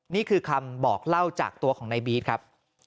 นี่คือคำบอกเล่าจากตัวของนายบี๊ดครับ